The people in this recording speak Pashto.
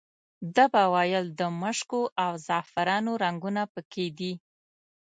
ده به ویل د مشکو او زعفرانو رنګونه په کې دي.